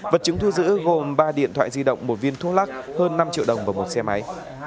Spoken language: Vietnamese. vật chứng thu giữ gồm ba điện thoại di động một viên thuốc lắc hơn năm triệu đồng và một xe máy